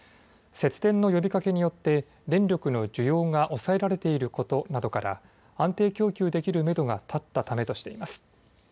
節電の呼びかけによって電力の需要が抑えられていることなどから安定供給できるめどが立ったためとしています。